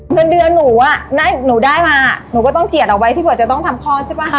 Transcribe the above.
เงินเดือนหนูอ่ะหนูได้มาหนูก็ต้องเจียดเอาไว้ที่เผื่อจะต้องทำคลอดใช่ป่ะ